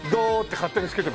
勝手につければ。